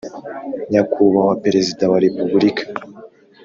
- nyakubahwa perezida wa repuburika